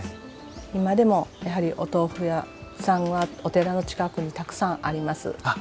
今でもやはりお豆腐屋さんはお寺の近くにたくさんあります。